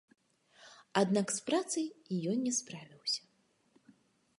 Аднак з працай ён не справіўся.